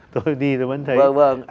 tôi đi rồi vẫn thấy